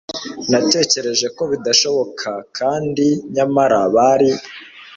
Natekereje ko bidashoboka. Kandi nyamara bari.